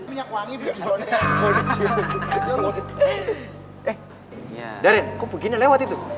eh darren kok begini lewat itu